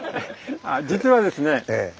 実はですね